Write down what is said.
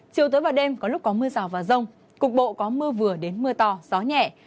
chiều tối và đêm có lúc có mưa rào và rông cục bộ có mưa vừa đến mưa to gió nhẹ